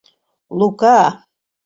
— Лука!